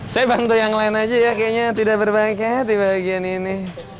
saya bantu yang lain aja ya kayaknya tidak berbahagia di bagian ini